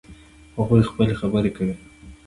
هغوی خپلې خبرې کوي